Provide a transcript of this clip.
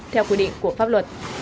theo quy định của pháp luật